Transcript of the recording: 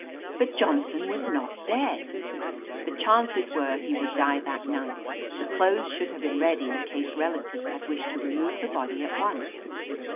'* "But Johnson was not dead !" 'The chances were he' would die that night. The clothes should have been ready in case relatives had wished to remove the body at once."